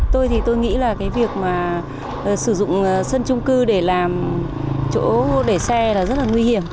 tôi thì tôi nghĩ là cái việc mà sử dụng sân trung cư để làm chỗ để xe là rất là nguy hiểm